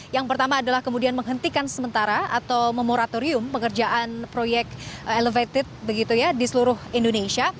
yang pertama adalah kemudian menghentikan sementara atau memoratorium pengerjaan proyek elevated begitu ya di seluruh indonesia